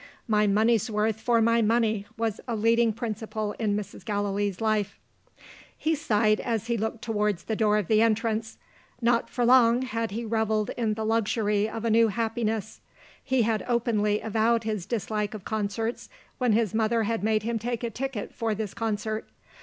My money's worth for my money was a leading principle in Mrs. Gallilee's life. He sighed as he looked towards the door of entrance. Not for long had he revelled in the luxury of a new happiness. He had openly avowed his dislike of concerts, when his mother had made him take a ticket for this concert.